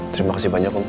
terima kasih banyak om